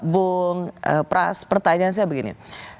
bung pras pertanyaan saya begini